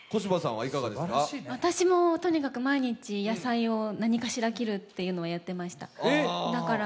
私もとにかく毎日、野菜を何かしら切るっていうのをやってました。